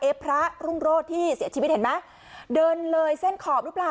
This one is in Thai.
พระรุ่งโรธที่เสียชีวิตเห็นไหมเดินเลยเส้นขอบหรือเปล่า